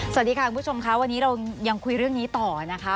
สวัสดีค่ะคุณผู้ชมค่ะวันนี้เรายังคุยเรื่องนี้ต่อนะคะ